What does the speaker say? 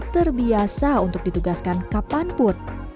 terbiasa untuk ditugaskan kapanpun